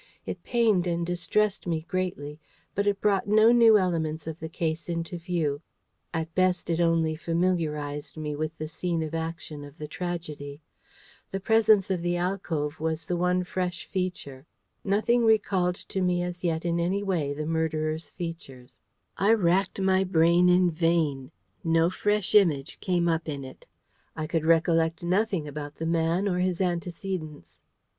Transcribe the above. It pained and distressed me greatly, but it brought no new elements of the case into view: at best, it only familiarised me with the scene of action of the tragedy. The presence of the alcove was the one fresh feature. Nothing recalled to me as yet in any way the murderer's features. I racked my brain in vain; no fresh image came up in it. I could recollect nothing about the man or his antecedents.